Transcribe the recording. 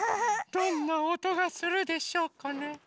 どんなおとがするでしょうかね。